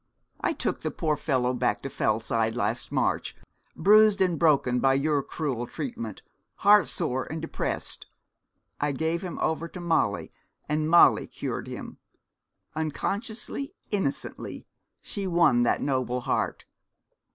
I took the poor fellow back to Fellside last March, bruised and broken by your cruel treatment, heartsore and depressed. I gave him over to Molly, and Molly cured him. Unconsciously, innocently, she won that noble heart.